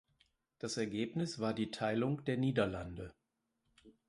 Das Ergebnis war die Teilung der Niederlande.